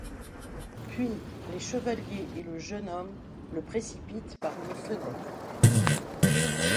Puis les chevaliers et le jeune homme le précipitent par une fenêtre.